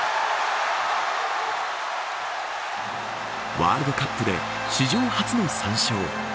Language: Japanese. ワールドカップで史上初の３勝。